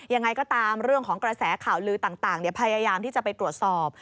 ยังไงก็ตามเรื่องของกระแสข่าวลือต่างพยายามที่จะไปตรวจสอบ